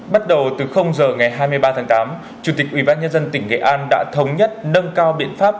bắt đầu từ giờ ngày hai mươi ba tháng tám chủ tịch ubnd tỉnh nghệ an đã thống nhất nâng cao biện pháp